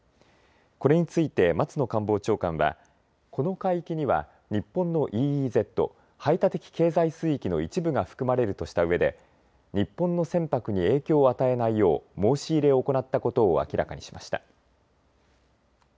これについて松野官房長官はこの海域には日本のＥＥＺ・排他的経済水域の一部が含まれるとしたうえで日本の船舶に影響を与えないよう申し入れを行ったことを明らかにしました。